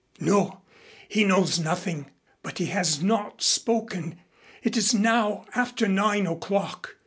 "No. He knows nothing. But he has not spoken. It is now after nine o'clock.